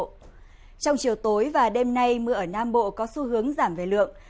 trong chiều tối và đêm nay mưa ở nam bộ có xu hướng giảm về lượng